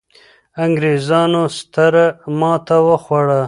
انګرېزانو ستره ماته وخوړه.